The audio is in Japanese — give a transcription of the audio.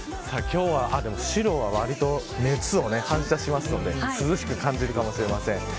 でも白はわりと熱を反射するので涼しく感じるかもしれません。